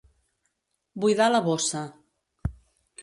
Buidar la bossa.